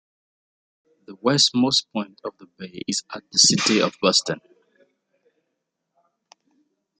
The westmost point of the bay is at the city of Boston.